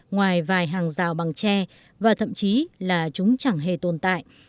ngoài vài hàng rào bằng tre và thậm chí là chúng chẳng hề tồn tại